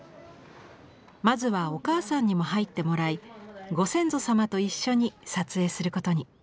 まずはお母さんにも入ってもらいご先祖様と一緒に撮影することに。